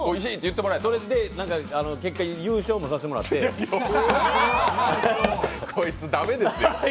それで結果、優勝もさせてもらってこいつ、駄目ですよ。